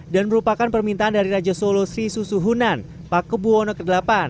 dan merupakan permintaan dari raja solo sri susuhunan pak kebuwono ke delapan